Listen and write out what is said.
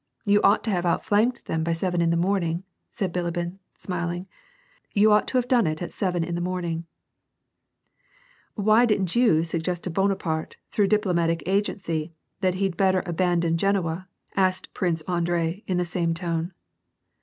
You ought to have outflanked them by seven in the morning," said Bilibin, smiling, *' you ought to have done it at seven in the morning." " Why didn't you suggest to Bonaparte, through diplomatic agency, that he'd better abandon Genoa," asked Prince Andrei, in the same tone.